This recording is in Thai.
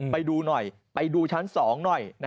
ไปดูหน่อยไปดูชั้น๒หน่อย